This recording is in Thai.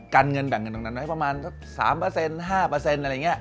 การเงินแบ่งเงินตรงนั้นไว้ประมาณสัก๓๕อะไรอย่างนี้